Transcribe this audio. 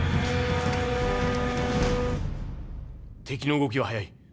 敵の動きは早い。